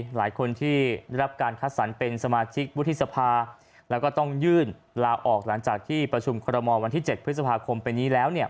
หลายคนที่ได้รับการคัดสรรเป็นสมาชิกวุฒิสภาแล้วก็ต้องยื่นลาออกหลังจากที่ประชุมคอรมอลวันที่๗พฤษภาคมไปนี้แล้วเนี่ย